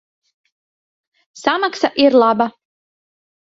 Samaksa ir laba.